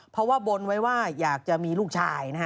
เพราะว่าบนไว้ว่าอยากจะมีลูกชายนะฮะ